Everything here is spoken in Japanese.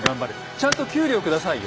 ちゃんと給料下さいよ。